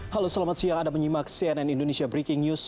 halo selamat siang anda menyimak cnn indonesia breaking news